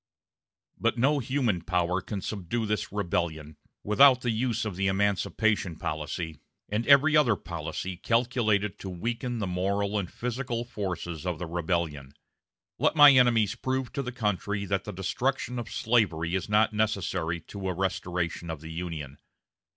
But no human power can subdue this rebellion without the use of the emancipation policy and every other policy calculated to weaken the moral and physical forces of the rebellion.... Let my enemies prove to the country that the destruction of slavery is not necessary to a restoration of the Union.